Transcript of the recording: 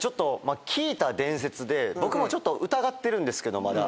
聞いた伝説で僕も疑ってるんですけどまだ。